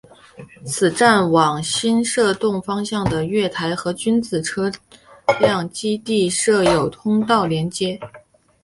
此站往新设洞方向的月台与君子车辆基地设有通道连结。